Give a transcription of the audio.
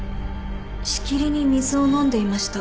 しきりに水を飲んでいました。